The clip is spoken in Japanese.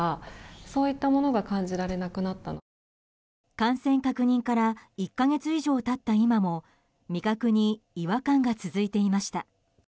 感染確認から１か月以上経った今も味覚に違和感が続いていました。